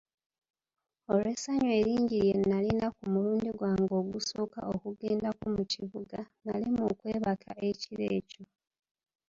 Olw'essanyu eringi lye nalina ku mulundi gwange ogusooka okugendako mu kibuga, nalemwa okwebaka ekiro ekyo.